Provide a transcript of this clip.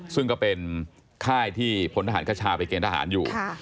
ซึ่งก็เป็นค่ายที่พลทหารคชาไปเกณฑหารอยู่